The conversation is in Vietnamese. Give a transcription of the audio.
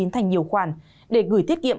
thành nhiều khoản để gửi tiết kiệm